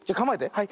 はい。